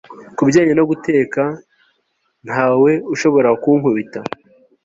Ku bijyanye no guteka ntawe ushobora kunkubita